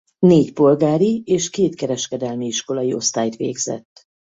Négy polgári és két kereskedelmi iskolai osztályt végzett.